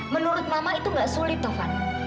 menurut mama itu gak sulit taufan